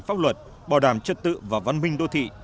pháp luật bảo đảm trật tự và văn minh đô thị